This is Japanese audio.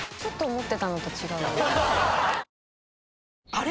あれ？